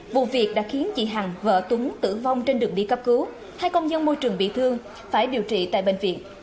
vụ việc đã khiến chị hằng vợ tuấn tử vong trên đường đi cấp cứu hai công nhân môi trường bị thương phải điều trị tại bệnh viện